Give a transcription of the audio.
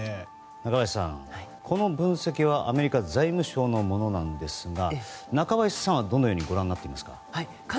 中林さん、この分析はアメリカ財務省のものですが中林さんはどのようにご覧になっていますか。